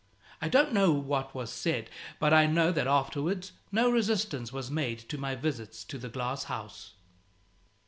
I don't know what was said; but I know that afterwards no resistance was made to my visits to the glass house.